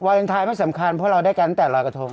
วายเทนไทยไม่สำคัญพวกเราได้การตั้งแต่รอยกระทง